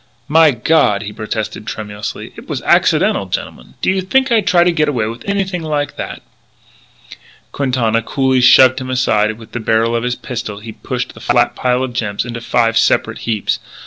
"My God," he protested tremulously, "it was accidental, gentlemen. Do you think I'd try to get away with anything like that " Quintana coolly shoved him aside and with the barrel of his pistol he pushed the flat pile of gems into five separate heaps.